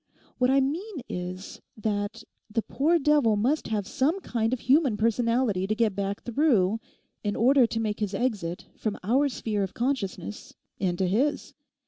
What I mean is that the poor devil must have some kind of human personality to get back through in order to make his exit from our sphere of consciousness into his.